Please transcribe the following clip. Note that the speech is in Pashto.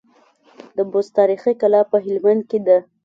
د بست تاريخي کلا په هلمند کي ده